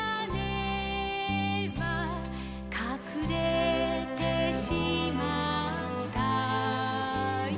「かくれてしまったよ